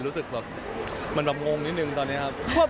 รู้สึกแบบมันแบบงงนิดนึงตอนนี้ครับ